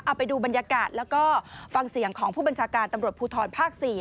เอาไปดูบรรยากาศแล้วก็ฟังเสียงของผู้บัญชาการตำรวจภูทรภาค๔